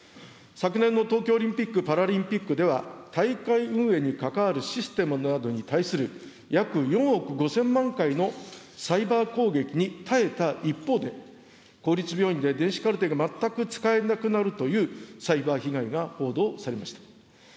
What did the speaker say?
昨年の東京オリンピック・パラリンピックでは、大会運営にかかわるシステムなどに対する約４億５０００万回のサイバー攻撃に耐えた一方で、公立病院で電子カルテが全く使えなくなるというサイバー被害が報道されました。